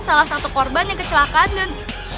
salah satu korban yang kecelakaan